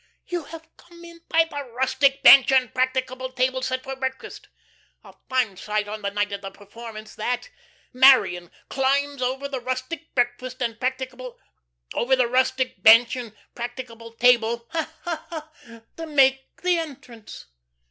You have come in by the rustic bench and practicable table set for breakfast. A fine sight on the night of the performance that. Marion climbs over the rustic breakfast and practicable over the rustic bench and practicable table, ha, ha, to make the entrance."